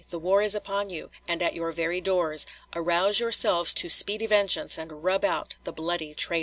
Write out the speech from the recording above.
the war is upon you, and at your very doors. Arouse yourselves to speedy vengeance and rub out the bloody traitors."